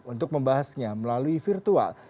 untuk membahasnya melalui virtual